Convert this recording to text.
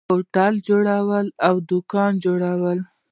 هوټل جوړوي او دکان جوړوي.